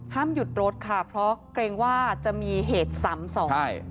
ห้ามหยุดรถค่ะเพราะเกรงว่าจะมีเหตุสำสม